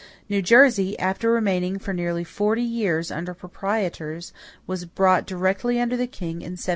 New Jersey, after remaining for nearly forty years under proprietors, was brought directly under the king in 1702.